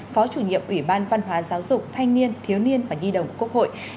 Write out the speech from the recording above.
phó chủ nhiệm ủy ban văn hóa giáo dục thanh niên thiếu niên và nhi đồng quốc hội